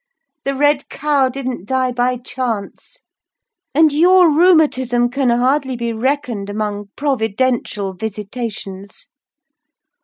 The red cow didn't die by chance; and your rheumatism can hardly be reckoned among providential visitations!"